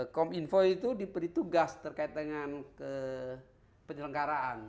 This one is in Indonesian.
kominfo itu diberi tugas terkait dengan penyelenggaraan